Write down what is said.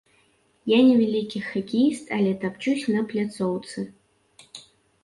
Я не вялікі хакеіст, але тапчуся на пляцоўцы.